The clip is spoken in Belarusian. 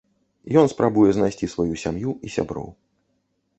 Ён спрабуе знайсці сваю сям'ю і сяброў.